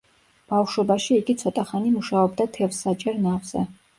ბავშვობაში იგი ცოტა ხანი მუშაობდა თევზსაჭერ ნავზე.